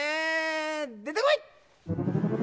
でてこい！